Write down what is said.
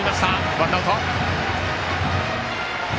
ワンアウト。